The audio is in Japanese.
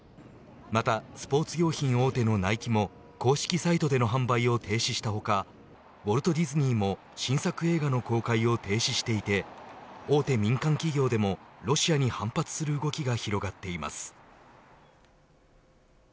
またスポーツ用品大手のナイキも公式サイトでの販売を停止した他ウォルト・ディズニーも新作映画の公開を停止していて大手民間企業でもロシアに反発する動きが広がっています。